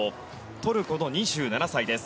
トルコの２７歳です。